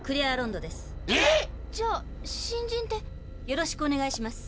よろしくお願いします。